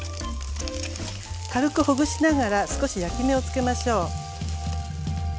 軽くほぐしながら少し焼き目をつけましょう。